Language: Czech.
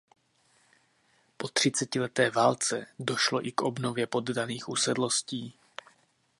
Po třicetileté válce došlo i k obnově poddanských usedlostí.